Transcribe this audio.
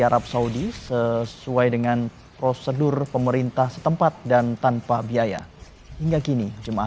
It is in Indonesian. arab saudi sesuai dengan prosedur pemerintah setempat dan tanpa biaya hingga kini jemaah